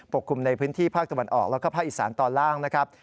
กลุ่มในพื้นที่ภาคตะวันออกแล้วก็ภาคอีสานตอนล่างนะครับ